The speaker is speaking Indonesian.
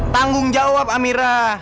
tanggung jawab amira